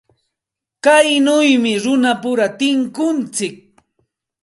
Kaynawmi runapura tunkuntsik.